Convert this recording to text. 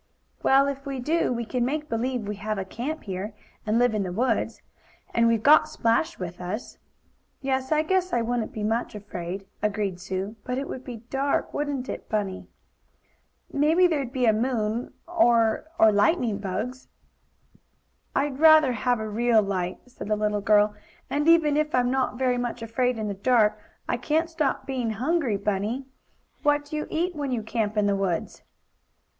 "Well, if we do, we can make believe we have a camp here, and live in the woods. And we've got Splash with us." "Yes, I guess I wouldn't be much afraid," agreed Sue. "But it would be dark; wouldn't it, Bunny?" "Maybe there'd be a moon or or lightning bugs." "I I'd rather have a real light," said the little girl. "And even if I'm not very much afraid in the dark, I can't stop being hungry, Bunny. What do you eat when you camp in the woods?"